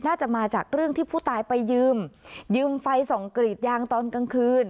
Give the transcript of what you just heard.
น่าจะมาจากเรื่องที่ผู้ตายไปยืมยืมไฟส่องกรีดยางตอนกลางคืน